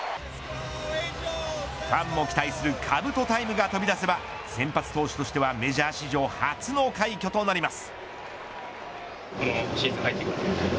ファンも期待するかぶとタイムが飛び出せば先発投手としてはメジャー史上初の快挙となります。